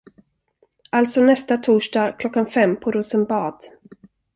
Alltså nästa torsdag klockan fem på Rosenbad.